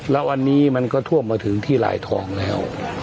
แล้ววันนี้มันก็ท่วมมาถึงที่หลายทองแล้ว